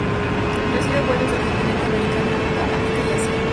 Recibe vuelos del continente americano, Europa, África y Asia.